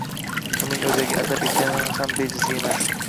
Uning oʻzagi adab ekani ham bejizga emas